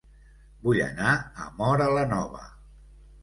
Vull anar a Móra la Nova